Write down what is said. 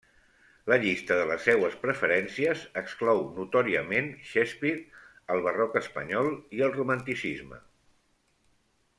La llista de les seues preferències exclou notòriament Shakespeare, el barroc espanyol i el romanticisme.